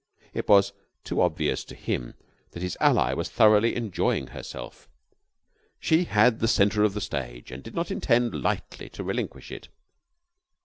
It was too obvious to him that his ally was thoroughly enjoying herself. She had the center of the stage, and did not intend lightly to relinquish it.